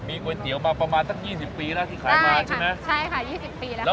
ก๋วยเตี๋ยวมาประมาณสักยี่สิบปีแล้วที่ขายมาใช่ไหมใช่ค่ะยี่สิบปีแล้วค่ะ